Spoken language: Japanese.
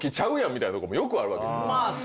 みたいなとこもよくあるわけでしょ？